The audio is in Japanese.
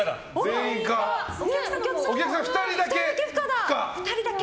お客さんは２人だけ不可。